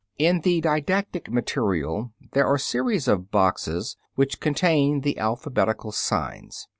] In the didactic material there are series of boxes which contain the alphabetical signs.